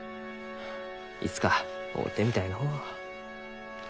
いつか会うてみたいのう。